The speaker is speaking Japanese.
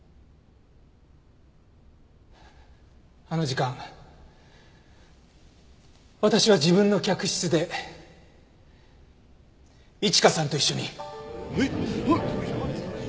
あの時間私は自分の客室で市香さんと一緒に。